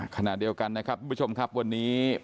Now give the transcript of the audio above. ขณะเดียวกันนะครับทุกผู้ชมครับวันนี้